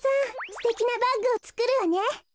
すてきなバッグをつくるわね。